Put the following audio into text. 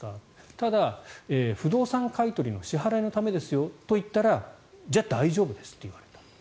ただ、不動産買い取りの支払いのためですと言ったらじゃあ大丈夫ですと言われた。